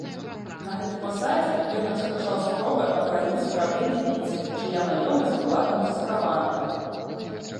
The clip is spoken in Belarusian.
На гэтай пасадзе ён распачаў спробы абараніць правы лівійцаў, чыя маёмасць была канфіскаваная.